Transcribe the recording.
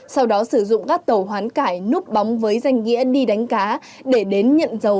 sau đó sử dụng các tàu hoán cải núp bóng với danh nghĩa đi đánh cá để đến nhận dầu